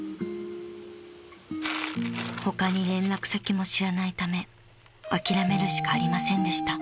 ［他に連絡先も知らないため諦めるしかありませんでした］